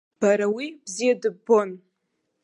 Бара уи бзиа дыббон.